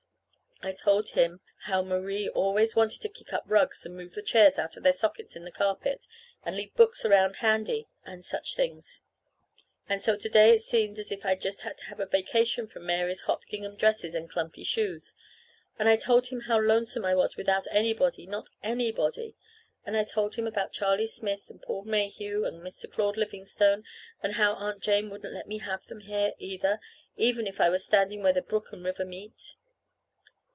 I told him how Marie always wanted to kick up rugs, and move the chairs out of their sockets in the carpet, and leave books around handy, and such things. And so to day it seemed as if I'd just got to have a vacation from Mary's hot gingham dresses and clumpy shoes. And I told him how lonesome I was without anybody, not anybody; and I told about Charlie Smith and Paul Mayhew and Mr. Claude Livingstone, and how Aunt Jane wouldn't let me have them, either, even if I was standing where the brook and river meet.